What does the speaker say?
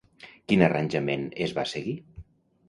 Quin arranjament es va seguir?